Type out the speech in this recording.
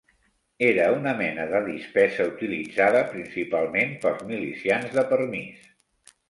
Era una mena de dispesa utilitzada principalment pels milicians de permís